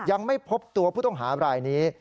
ยังไม่พบตัวผู้ต้องหารายนี้